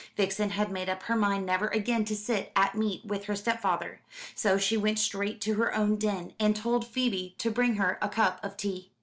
Vixen had made up her mind never again to sit at meat with her stepfather; so she went straight to her own den, and told Phoebe to bring her a cup of tea.